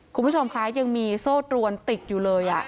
คุณผู้ชมคะยังมีโซ่ตรวนติดอยู่เลย